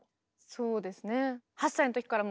そうですね。